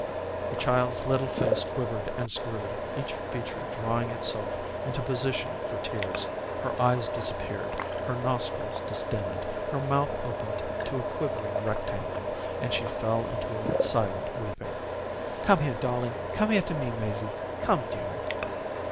The child's little face quivered and screwed, each feature drawing itself into position for tears. Her eyes disappeared, her nostrils distended, her mouth opened to a quivering rectangle, and she fell into silent weeping. "Aw, Jerry you you scared her! Come here, darling; come here to me, Maisie; come, dearie."